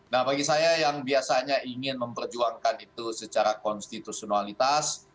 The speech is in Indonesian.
nah bagi saya yang biasanya ingin memperjuangkan itu secara konstitusionalitas